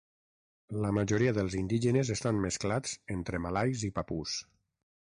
La majoria dels indígenes estan mesclats entre malais i papús.